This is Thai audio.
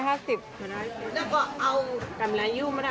ถ้าซื้อหลายอันนั้น